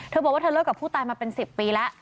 เธอบอกว่าเธอเลิกกับผู้ตายมาเป็น๑๐ปีแล้ว